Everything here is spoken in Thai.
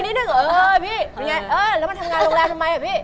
แล้วทำงานโรงแรมไว้พี่